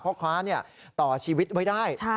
พ่อค้าต่อชีวิตไว้ได้